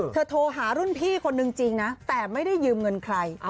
โทรหารุ่นพี่คนนึงจริงนะแต่ไม่ได้ยืมเงินใคร